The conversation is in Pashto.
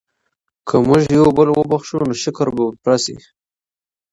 که موږ یو بل وبښو نو شکر به مو پوره سي.